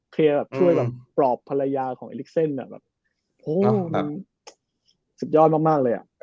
ช่วยปลอบภรรยาของอลิกเซ่นสุดยอดมากเลย